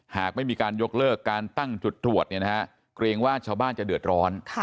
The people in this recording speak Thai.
หากไม่มีการยกเลิกการตั้งจุดตรวจเกรงว่าชาวบ้านจะเดือดร้อน